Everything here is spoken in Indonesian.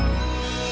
om animales berkata